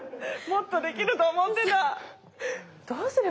もっとできると思ってた。